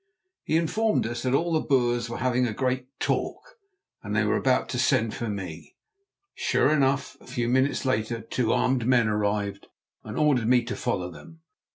He informed us that all the Boers were having a great "talk," and that they were about to send for me. Sure enough, a few minutes later two armed men arrived and ordered me to follow them.